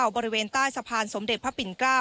บริเวณใต้สะพานสมเด็จพระปิ่น๙